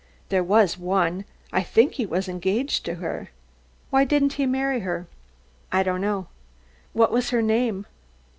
"There was one I think he was engaged to her." "Why didn't he marry her?" "I don't know." "What was her name?"